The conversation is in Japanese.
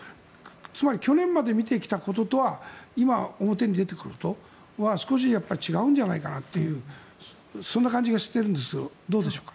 つまり、去年まで見てきたことと今、表に出てきていることは少し違うんじゃないかなとそんな感じがしてるんですけどどうでしょうか？